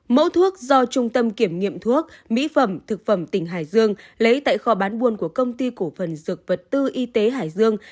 mẫu thuốc do trung tâm kiểm nghiệm thuốc mỹ phẩm thực phẩm tỉnh hải dương lấy tại kho bán buôn của công ty cổ phần dược vật tư y tế hải dương